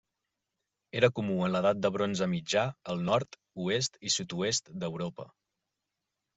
Era comú en l'edat de bronze mitjà al nord, oest i sud-oest d'Europa.